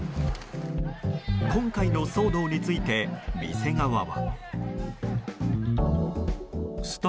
今回の騒動について店側は。